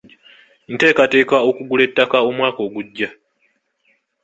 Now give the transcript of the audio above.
Nteekateeka okugula ettaka omwaka ogujja.